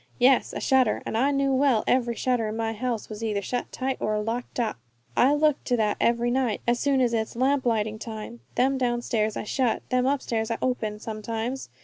"Yes, a shutter, and I knew well that every shutter on my house was either shut tight or locked open. I look to that every night, as soon as it's lamp lighting time; them downstairs I shut, them upstairs I open, sometimes.